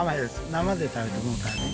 生で食べてもうたらね。